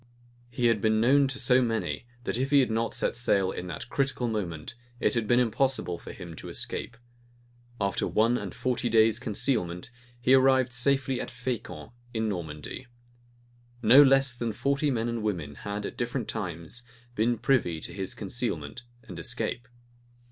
He had been known to so many, that if he had not set sail in that critical moment, it had been impossible for him to escape. After one and forty days' concealment, he arrived safely at Fescamp, in Normandy. No less than forty men and women had at different times been privy to his concealment and escape.